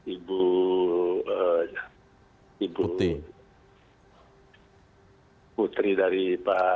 ibu putri dari pak